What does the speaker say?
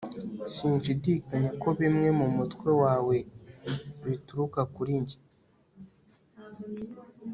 Sinshidikanya ko bimwe mumutwe wawe bituruka kuri njye